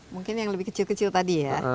mungkin yang lebih kecil kecil tadi ya